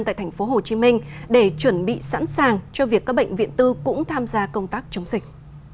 tại tp hcm để chuẩn bị sẵn sàng cho việc các bệnh viện tư cũng tham gia công tác chống dịch